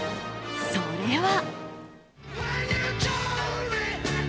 それは。